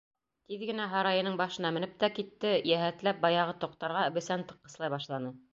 Тиҙ генә һарайының башына менеп тә китте, йәһәтләп баяғы тоҡтарға бесән тыҡҡыслай башланы.